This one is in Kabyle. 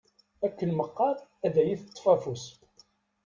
Akken meqqar ad yi-teṭṭef afus.